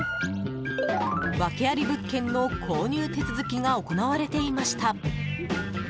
ワケあり物件の購入手続きが行われていました。